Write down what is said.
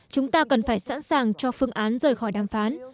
chúng ta cần phải sẵn sàng cho phương án rời khỏi đàm phán